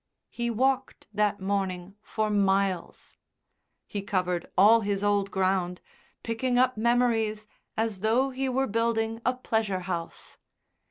He walked that morning for miles; he covered all his old ground, picking up memories as though he were building a pleasure house.